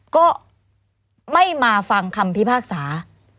ก็ไม่มาฟังคำพิพากษา